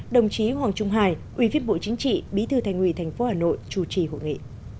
đồng chí hoàng trung hải ubnd tp hà nội chủ trì hội nghị